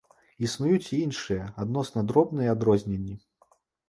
Існуюць і іншыя адносна дробныя адрозненні.